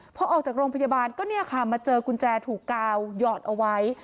พอออกจากโรงพยาบาลก็เนี่ยค่ะมาเจอกุญแจถูกกาวหยอดเอาไว้